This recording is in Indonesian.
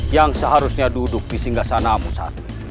yang seharusnya duduk di singgah sana musa